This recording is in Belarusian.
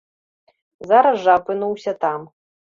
Зараз жа апынуўся там.